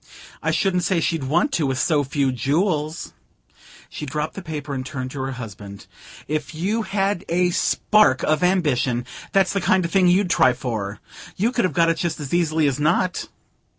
"I shouldn't say she'd want to, with so few jewels " She dropped the paper and turned to her husband. "If you had a spark of ambition, that's the kind of thing you'd try for. You could have got it just as easily as not!"